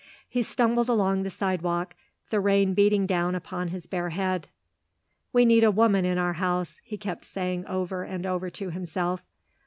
He stumbled along the sidewalk, the rain beating down upon his bare head. "We need a woman in our house," he kept saying over and over to himself.